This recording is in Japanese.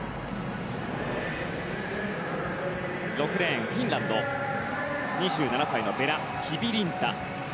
６レーン、フィンランド２７歳のベラ・キビリンタ。